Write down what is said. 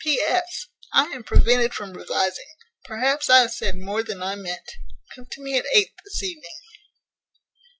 "P.S. I am prevented from revising: Perhaps I have said more than I meant. Come to me at eight this evening."